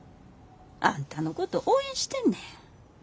あんたのこと応援してんねん。